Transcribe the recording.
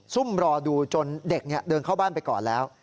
ซุ่มรอดูจนเด็กเดินเข้าบ้านไปก่อนแล้ว